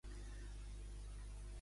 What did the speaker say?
Què deia Salvini en una piulada?